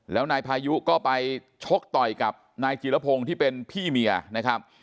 แล้วนายพายุก็ไปชกต่อยกับนายจีรพงศ์ที่เป็นพี่เมียนะครับ